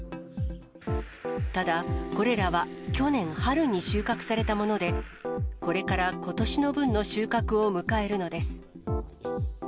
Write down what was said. ただ、これらは去年春に収穫されたもので、これからことしの分の収穫を迎えるのです。